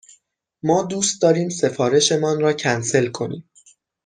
ما دوست داریم سفارش مان را کنسل کنیم.